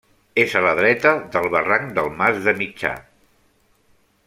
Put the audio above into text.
És a la dreta del barranc del Mas de Mitjà.